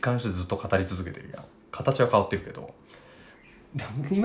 形は変わってるけど。